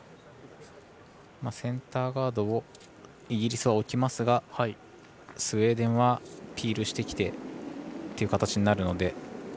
センターガードをイギリスは置きますがスウェーデンはピールしてきてという形になるので。